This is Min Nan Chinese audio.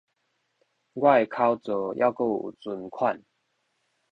我的口座猶閣有存款